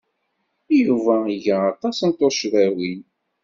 Yuba iga aṭas n tuccḍiwin.